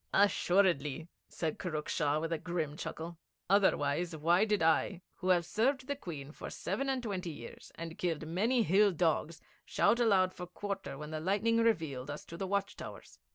'Assuredly,' said Kurruk Shah with a grim chuckle. 'Otherwise, why did I, who have served the Queen for seven and twenty years, and killed many hill dogs, shout aloud for quarter when the lightning revealed us to the watch towers?